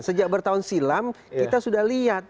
sejak bertahun silam kita sudah lihat